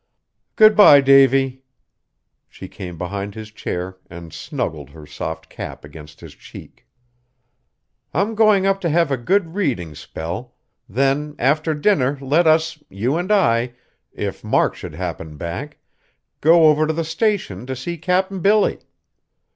"Good bye, Davy." She came behind his chair, and snuggled her soft cap against his cheek. "I'm going up to have a good reading spell; then after dinner let us, you and I, if Mark should happen back, go over to the Station to see Cap'n Billy.